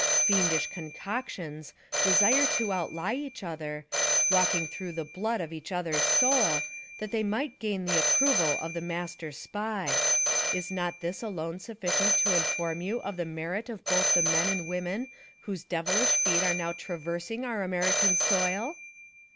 Fiendish concoctions, desire to out lie each other, walking through the blood of each other's soul, that they might gain the approval of the master SPY — Is not this alone sufficient to inform you of the merit of both the men and women whose devilish feet are now traversing our American soil?